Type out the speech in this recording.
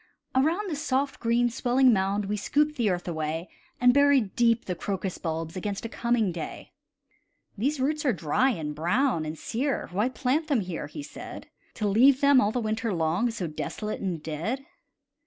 Around the soft, green swelling mound We scooped the earth away, And buried deep the crocus bulbs Against a coming day. "These roots are dry, and brown, and sere; Why plant them here?" he said, "To leave them, all the winter long, So desolate and dead."